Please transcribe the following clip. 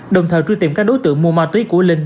đồng thời truy tìm các đối tượng mua ma túy của linh